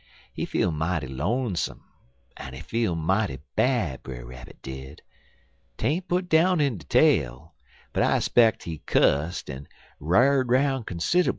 He feel mighty lonesome, en he feel mighty mad, Brer Rabbit did. Tain't put down in de tale, but I speck he cusst en r'ar'd 'roun' considerbul.